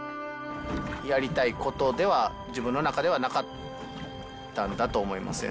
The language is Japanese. やりたいことでは、自分の中ではなかったんだと思いますね。